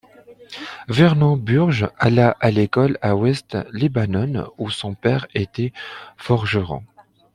Vernon Burge alla à l'école à West Lebanon, où son père était forgeron.